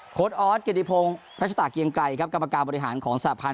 โค้ดอ๊อสเกหลียพงพรรจตะเกียงไกลครับกรรมการบริหารของสาธารณ์